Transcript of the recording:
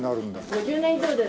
５０年以上です。